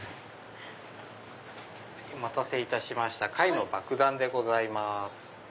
お待たせいたしました貝のばくだんでございます。